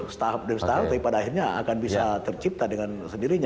setahap demi setahap tapi pada akhirnya akan bisa tercipta dengan sendirinya